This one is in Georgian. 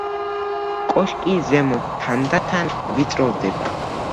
კოშკი ზემოთ თანდათან ვიწროვდება.